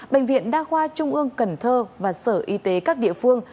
bệnh viện đa khoa trung ương cần thơ và sở y tế các địa phương